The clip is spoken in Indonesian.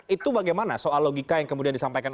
itu bagaimana soal logika yang kemudian disampaikan